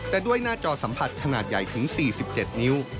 แต่ด้วยหน้าจอสัมผัสขนาดใหญ่ถึง๔๗นิ้ว